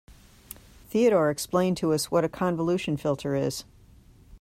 Theodore explained to us what a convolution filter is.